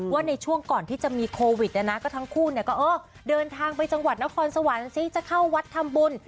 ว่าในช่วงก่อนที่จะมีโควิดนะนะก็ทั้งคู่เนี่ยก็เออเดินทางไปจังหวัดนครสวรรค์ซิจะเข้าวัดทำบุญ